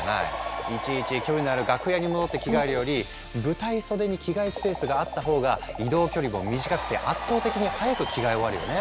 いちいち距離のある楽屋に戻って着替えるより舞台袖に着替えスペースがあった方が移動距離も短くて圧倒的に早く着替え終わるよね？